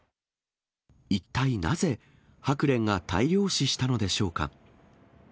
一体なぜ、ハクレンが大量死したのでしょうか。